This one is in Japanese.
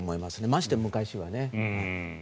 ましてや昔はね。